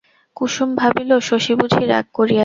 কুসুম ভাবিল, শশী বুঝি রাগ করিয়াছে।